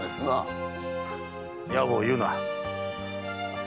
野暮を言うな。